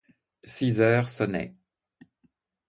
Six heures sonnaient.